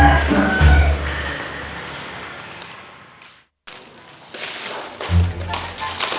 mak nanti mak